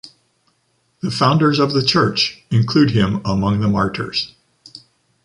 The founders of the Church include him among the martyrs.